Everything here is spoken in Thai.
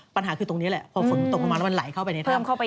ปัญหาคือตรงนี้แหละพอฝนตกลงมาแล้วมันไหลเข้าไปในถ้ำเข้าไป